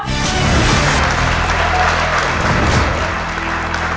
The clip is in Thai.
ขอบคุณครับ